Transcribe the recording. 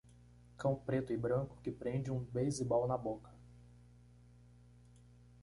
Cão preto e branco que prende um basebol na boca.